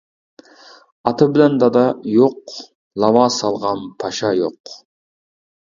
ئاتا بىلەن دادا يوق لاۋا سالغان پاشا يوق.